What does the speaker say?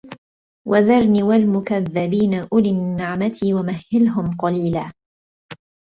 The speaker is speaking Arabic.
وَذَرني وَالمُكَذِّبينَ أُولِي النَّعمَةِ وَمَهِّلهُم قَليلًا